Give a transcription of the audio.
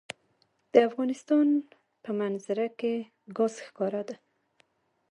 د افغانستان په منظره کې ګاز ښکاره ده.